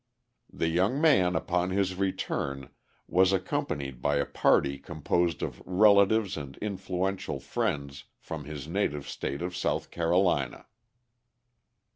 The young man upon his return was accompanied by a party composed of relatives and influential friends from his native state of South Carolina.